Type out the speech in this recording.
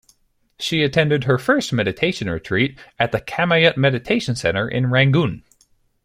She attended her first meditation retreat at the Kamayut Meditation Center in Rangoon.